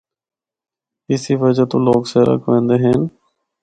اسی وجہ تو لوگ سیرا کو ایندے ہن۔